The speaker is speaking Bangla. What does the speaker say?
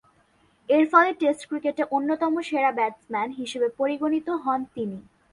এরফলে টেস্ট ক্রিকেটে অন্যতম সেরা ব্যাটসম্যান হিসেবে পরিগণিত হন তিনি।